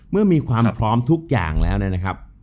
มีความพร้อมทุกอย่างแล้วเนี่ยนะครับ